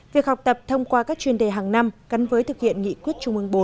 việc học tập thông qua các chuyên đề hàng năm gắn với thực hiện nghị quyết chung ứng bốn